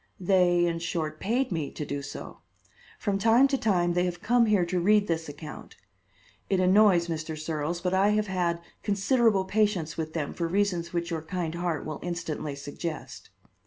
They, in short, paid me to do so. From time to time they have come here to read this account. It annoys Mr. Searles, but I have had considerable patience with them for reasons which your kind heart will instantly suggest."